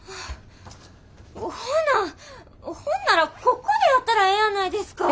ほなほんならここでやったらええやないですか。